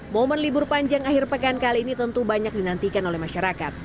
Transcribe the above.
momen libur panjang akhir pekan kali ini tentu banyak dinantikan oleh masyarakat